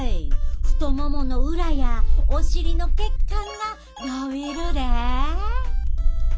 太ももの裏やお尻の血管がのびるで。